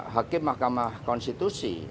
hakim mahkamah konstitusi